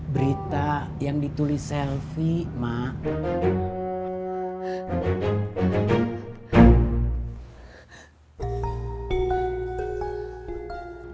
berita yang ditulis selfie mak